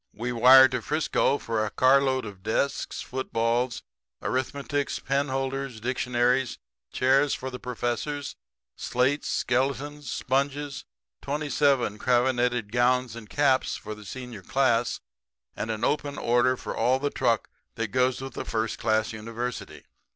We wire to Frisco for a car load of desks, footballs, arithmetics, penholders, dictionaries, chairs for the professors, slates, skeletons, sponges, twenty seven cravenetted gowns and caps for the senior class, and an open order for all the truck that goes with a first class university.